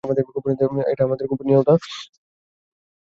তাই ভাই-ভাবিকে প্রথম দুই দিন আমরা একটা আবাসিক হোটেলে ওঠার ব্যবস্থা করি।